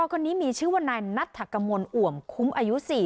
นมระพาผ่อนี่มีชื่อว่านายหนัฐกมลอ่วมคุ้มอายุ๔๒ปี